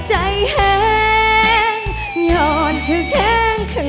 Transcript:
แม่ทำไงคะ